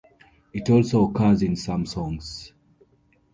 It also occurs in some songs.